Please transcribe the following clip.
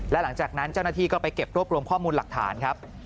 และหลังจากนั้นเจ้าหน้าที่ก็ไปเก็บรวบรวมข้อมูลหลักฐานครับ